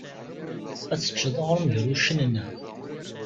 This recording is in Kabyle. Ad teččeḍ aɣrum ger wuccanen-a?